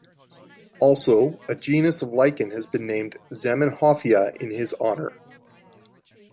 Also, a genus of lichen has been named "Zamenhofia" in his honour.